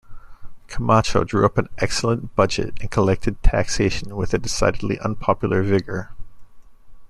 Camacho drew up an excellent budget and collected taxation with a decidedly unpopular vigour.